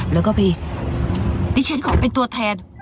แล้วก็ไปดิฉันขอเป็นตัวแทน